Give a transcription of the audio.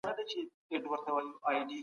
تاسو بايد د سياستوالو خبرې واورئ.